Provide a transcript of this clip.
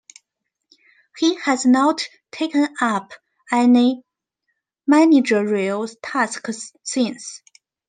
He has not taken up any managerial tasks since.